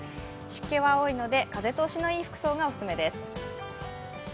湿気は多いので、風通しのいい服装がおすすめです。